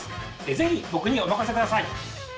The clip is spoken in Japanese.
是非僕にお任せください！